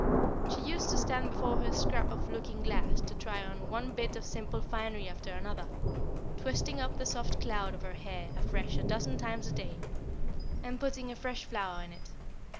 She used to stand before her scrap of looking glass to try on one bit of simple finery after another, twisting up the soft cloud of her hair afresh a dozen times a day, and putting a fresh flower in it.